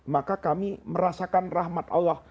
maka kami merasakan rahmat allah